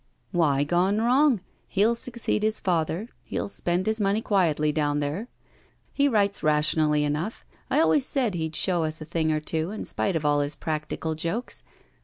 'Why gone wrong? He'll succeed his father; he'll spend his money quietly down there. He writes rationally enough. I always said he'd show us a thing or two, in spite of all his practical jokes.